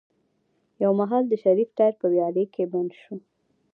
يو مهال د شريف ټاير په ويالې کې بند شو.